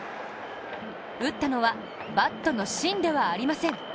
打ったのはバットの芯ではありません。